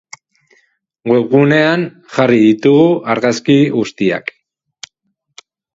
Webgunean, jarri ditugu argazki guztiak.